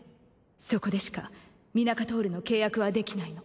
そこでしかミナカトールの契約はできないの。